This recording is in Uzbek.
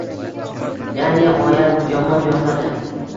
Ya’ni g’oyat yomon yozadi.